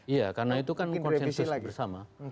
iya karena itu kan konsensus bersama